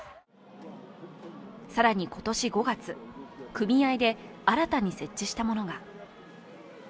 更に今年５月、組合で新たに設置したものが。